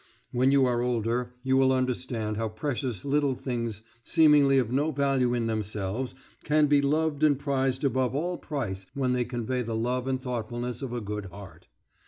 When you are older you will understand how precious little things, seemingly of no value in themselves, can be loved and prized above all price when they convey the love and thoughtfulness of a good heart.